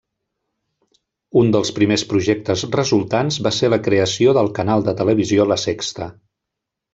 Un dels primers projectes resultants va ser la creació del canal de televisió La Sexta.